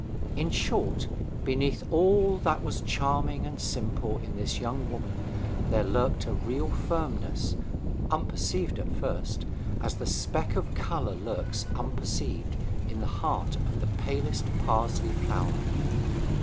In short, beneath all that was charming and simple in this young woman there lurked a real firmness, unperceived at first, as the speck of colour lurks unperceived in the heart of the palest parsley flower.